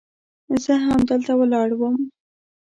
زه همدلته ولاړ وم.